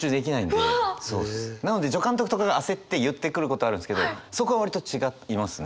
うわ！なので助監督とかが焦って言ってくることあるんですけどそこは割と違いますね。